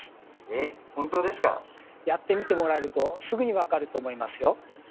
えっやってみてもらえるとすぐに分かると思いますよ。